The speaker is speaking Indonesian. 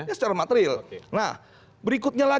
ya secara material